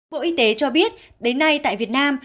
bộ y tế cho biết đến nay tại việt nam